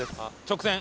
直線。